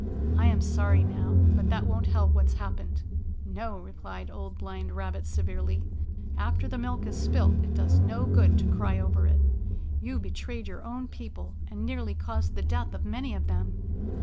I am sorry now, but that won't help what's happened." "No," replied Old Blind Rabbit severely, "after the milk is spilt it does no good to cry over it. You betrayed your own people, and nearly caused the death of many of them.